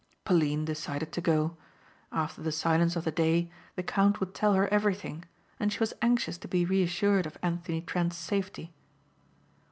Pauline decided to go. After the silence of the day the count would tell her everything, and she was anxious to be reassured of Anthony Trent's safety.